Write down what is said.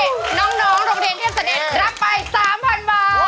น้องโรงเรียนเทพเสด็จรับไป๓๐๐๐บาท